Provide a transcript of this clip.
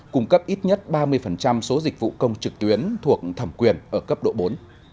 cung cấp ít nhất ba mươi số dịch vụ công trực tuyến thuộc thẩm quyền ở cấp độ bốn